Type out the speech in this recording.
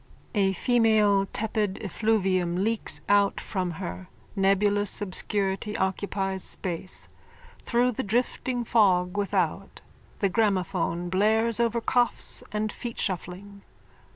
_(A female tepid effluvium leaks out from her. Nebulous obscurity occupies space. Through the drifting fog without the gramophone blares over coughs and feetshuffling.)